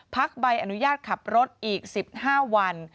ใบอนุญาตขับรถอีก๑๕วัน